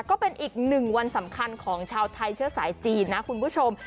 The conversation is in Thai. ก็เป็นอีกหนึ่งวันสำคัญของชาวไทยเชื้อสายจีนนะคุณผู้ชม